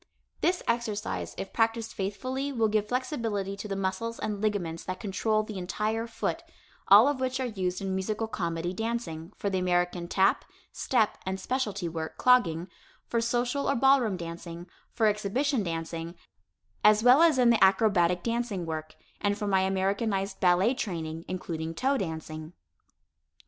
This exercise if practiced faithfully will give flexibility to the muscles and ligaments that control the entire foot, all of which are used in musical comedy dancing, for the American tap, step and specialty work (clogging), for social or ballroom dancing, for exhibition dancing, as well as in the acrobatic dancing work, and for my Americanized ballet training, including toe dancing.